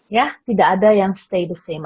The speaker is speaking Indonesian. ya tidak ada yang stay the same